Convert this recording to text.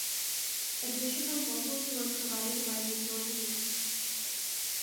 Additional vocals were provided by The Jordanaires.